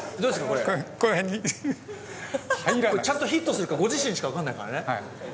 これちゃんとヒットするかご自身しかわかんないからね。